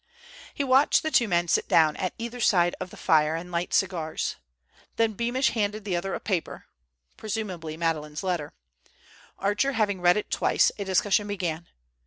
He watched the two men sit down at either side of the fire, and light cigars. Then Beamish handed the other a paper, presumably Madeleine's letter. Archer having read it twice, a discussion began.